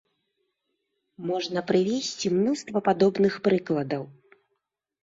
Можна прывесці мноства падобных прыкладаў.